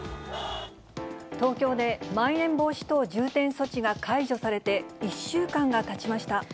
東京でまん延防止等重点措置が解除されて１週間がたちました。